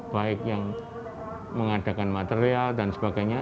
baik yang mengadakan material dan sebagainya